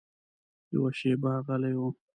یوه شېبه غلی و.